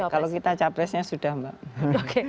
kalau kita capresnya sudah mbak